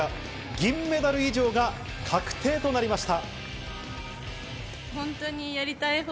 銀メダル以上が確定となりました。